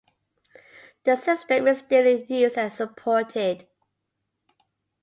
The system is still in use and supported.